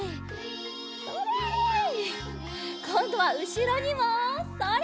こんどはうしろにもそれ！